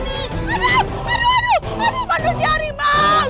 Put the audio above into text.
tolong anak saya boleh makan manusia harimau